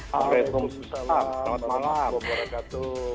waalaikumsalam selamat malam